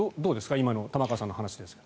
今の玉川さんの話ですが。